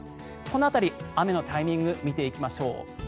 この辺り、雨のタイミング見ていきましょう。